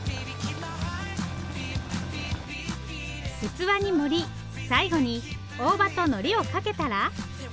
器に盛り最後に大葉とのりをかけたら。